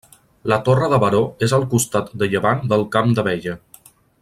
La Torre de Baró és al costat de llevant del Camp d'Abella.